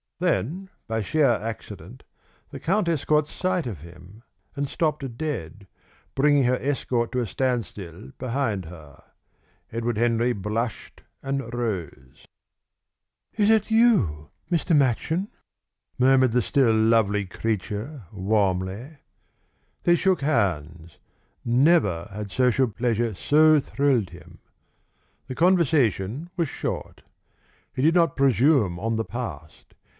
Then, by sheer accident, the countess caught sight of him, and stopped dead, bringing her escort to a standstill behind her. Edward Henry blushed and rose. "Is it you, Mr. Machin?" murmured the still lovely creature warmly. They shook hands. Never had social pleasure so thrilled him. The conversation was short. He did not presume on the past.